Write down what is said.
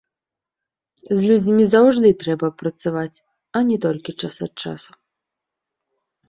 З людзьмі заўжды трэба працаваць, а не толькі час ад часу.